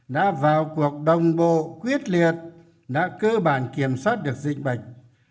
đã vào cuộc đồng bộ quyết liệt đã cơ bản kiểm soát được dịch bệnh